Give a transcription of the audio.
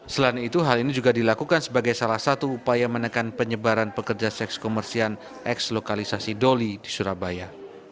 selain itu hal ini juga dilakukan sebagai salah satu upaya menekan penyebaran pekerja seks komersial eks lokalisasi doli di surabaya